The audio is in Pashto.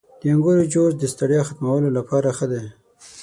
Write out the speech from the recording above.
• د انګورو جوس د ستړیا ختمولو لپاره ښه دی.